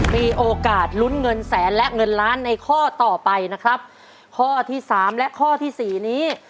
มีโอกาสลุ้นเงินแสนและเงินล้านในข้อต่อไปนะครับข้อที่สามและข้อที่สี่นี้